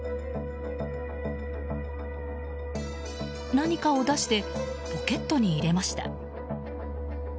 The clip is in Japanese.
何かを出してポケットに入れました。